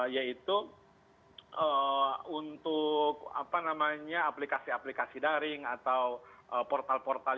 yaitu untuk aplikasi aplikasi daring atau portal portal